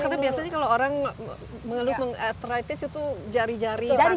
karena biasanya kalau orang mengelu meng attract nya itu jari jari tangannya